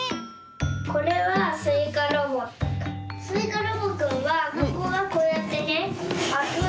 これはスイカロボくんはここがこうやってねあく。